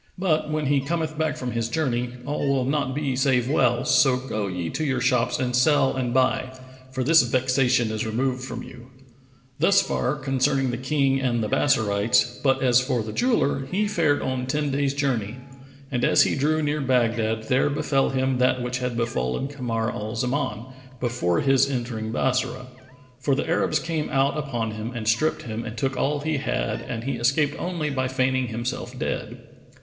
But, when he cometh back from his journey, all will not be save well[FN#458]: so go ye to your shops and sell and buy, for this vexation is removed from you." Thus far concerning the King and the Bassorites; but as for the jeweller, he fared on ten days' journey, and as he drew near Baghdad, there befel him that which had befallen Kamar al Zaman, before his entering Bassorah; for the Arabs[FN#459] came out upon him and stripped him and took all he had and he escaped only by feigning himself dead.